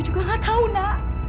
bu juga nggak tahu nak